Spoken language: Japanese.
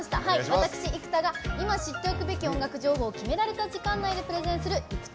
私生田が今知っておくべき音楽情報を決められた時間内でプレゼンする「ＩＫＵＴＩＭＥＳ」。